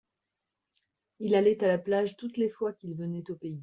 Il allait à la plage toutes les fois qu'il venait au pays.